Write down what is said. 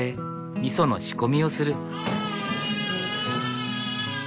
みその仕込みをする。